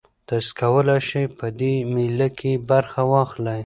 تاسي کولای شئ په دې مېله کې برخه واخلئ.